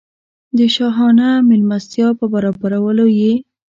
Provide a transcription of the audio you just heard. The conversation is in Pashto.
د شاهانه مېلمستیا په برابرولو یې.